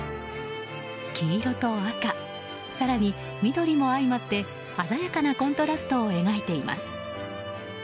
黄色と赤更に緑も相まって鮮やかなコントラストを描いています。